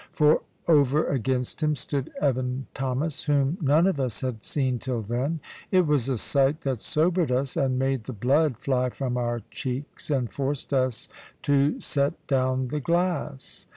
For over against him stood Evan Thomas, whom none of us had seen till then. It was a sight that sobered us, and made the blood fly from our cheeks, and forced us to set down the glass.